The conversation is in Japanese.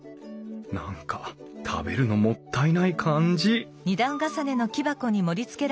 何か食べるのもったいない感じ